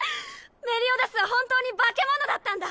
メリオダスは本当に化け物だったんだ。